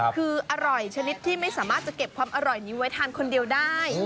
คืออร่อยชนิดที่ไม่สามารถจะเก็บความอร่อยนี้ไว้ทานคนเดียวได้